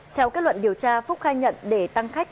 theo kết luận điều tra phúc khai nhận để tăng khách